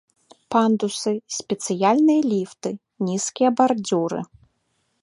Пандусы, спецыяльныя ліфты, нізкія бардзюры.